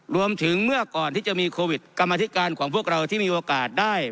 เมื่อก่อนที่จะมีโควิดกรรมธิการของพวกเราที่มีโอกาสได้